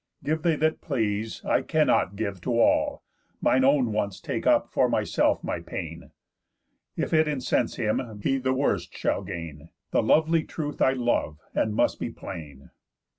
Give they that please, I cannot give to all, Mine own wants take up for myself my pain. If it incense him, he the worst shall gain. The lovely truth I love, and must be plain."